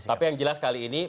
tapi yang jelas kali ini